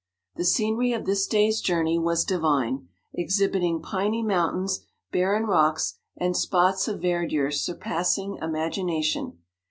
The scenery of this clay's journey was divine, exhibiting piny mountains, barren rocks, and spots of verdure sur passing imagination.